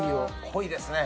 濃いですね。